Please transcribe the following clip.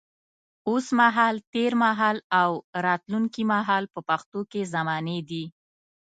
اوس مهال، تېر مهال او راتلونکي مهال په پښتو کې زمانې دي.